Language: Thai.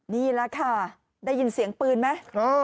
นี่แหละค่ะได้ยินเสียงปืนไหม